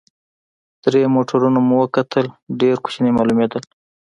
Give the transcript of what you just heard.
درې موټرونه مو وکتل، ډېر کوچني معلومېدل.